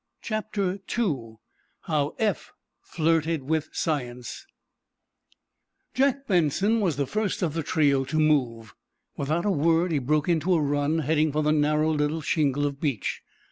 CHAPTER II: HOW EPH FLIRTED WITH SCIENCE Jack Benson was the first of the trio to move. Without a word he broke into a run, heading for the narrow little shingle of beach.